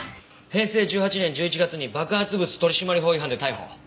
平成１８年１１月に爆発物取締法違反で逮捕。